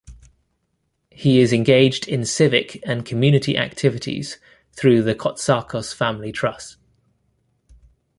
He is engaged in civic and community activities through the Cotsakos Family Trust.